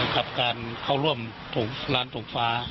กับการเข้าร่วมร้านถงฟ้า